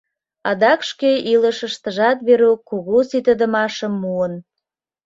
Адак шке илышыштыжат Верук кугу ситыдымашым муын.